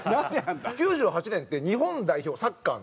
９８年って日本代表サッカーの。